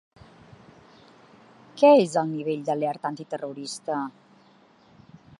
Què és el ‘nivell d’alerta antiterrorista’?